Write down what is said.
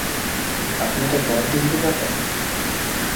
আপনি এটা গ্যারান্টি দিতে পারেন?